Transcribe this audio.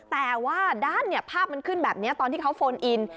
แต่ว่าด้านภาพมันขึ้นแบบนี้ตอนที่เขาโฟนอิน